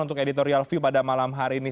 untuk editorial view pada malam hari ini